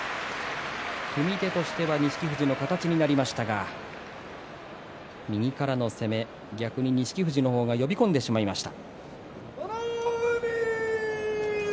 組み手としては錦富士の形になりましたが右からの攻め、逆に錦富士の方が呼び込んでしまいました。